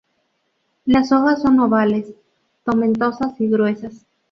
Las hojas son ovales, tomentosas y gruesas.